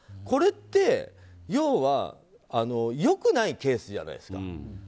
これって、要はよくないケースじゃないですか。